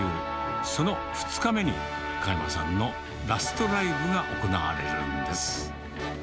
その２日目に、加山さんのラストライブが行われるんです。